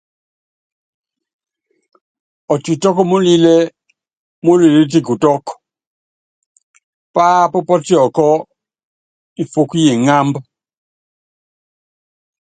Ɔtitɔ́k múlilɛ́ múlilɛ́ tikutɔ́k pááp pɔ́tiɔkɔ́ mfɔ́k yi ŋámb.